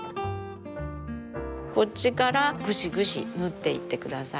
こっちからぐしぐし縫っていってください。